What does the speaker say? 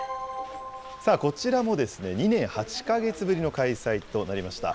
こちらも２年８か月ぶりの開催となりました。